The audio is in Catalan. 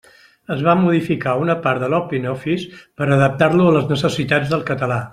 Es va modificar una part de l'OpenOffice per adaptar-lo a les necessitats del català.